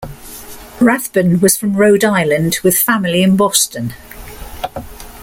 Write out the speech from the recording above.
Rathbun was from Rhode Island with family in Boston.